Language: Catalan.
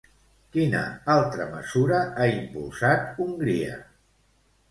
Quina altra mesura ha impulsat Hongria?